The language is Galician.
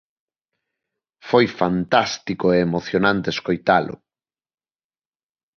Foi fantástico e emocionante escoitalo.